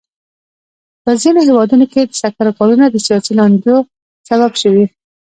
په ځینو هېوادونو کې د سکرو کانونه د سیاسي لانجو سبب شوي.